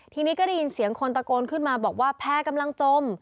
ทีนี้ก็ได้ยินเสียงคนตะโกนขึ้นมาบอกว่าแพร่กำลังจม